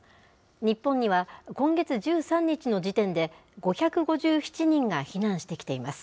日本には今月１３日の時点で、５５７人が避難してきています。